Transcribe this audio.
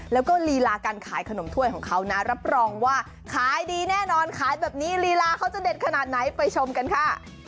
แล้วก็ลีลาการขายขนมถ้วยของเขานะรับรองว่าขายดีแน่นอนขายแบบนี้ลีลาเขาจะเด็ดขนาดไหนไปชมกันค่ะ